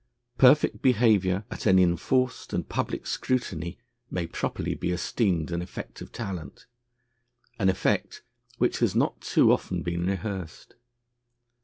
Perfect behaviour at an enforced and public scrutiny may properly be esteemed an effect of talent an effect which has not too often been rehearsed.